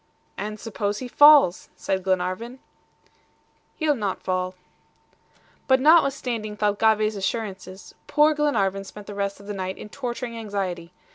"And suppose he falls?" said Glenarvan. "He'll not fall." But notwithstanding Thalcave's assurances, poor Glenarvan spent the rest of the night in torturing anxiety.